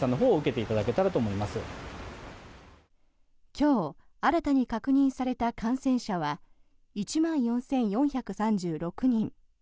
今日、新たに確認された感染者は１万４４３６人。